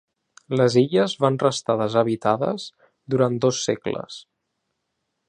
Les illes van restar deshabitades durant dos segles.